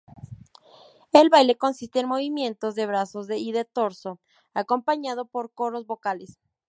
El baile consiste en movimientos de brazos y de torso, acompañado por coros vocales.